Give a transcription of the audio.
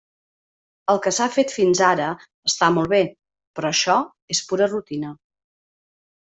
El que s'ha fet fins ara està molt bé, però això és pura rutina.